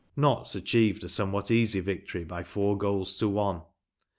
Notts achieved a somewhat easy victory by four goals to one.